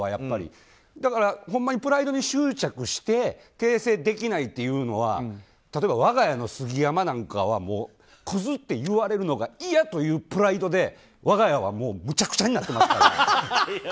ほんまにプライドに執着して訂正できないというのは例えば、我が家の杉山なんかはもうクズって言われるのが嫌というプライドで我が家は無茶苦茶になってますから。